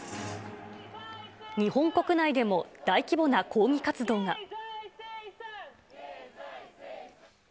日本国内でも大規模な抗議活動が。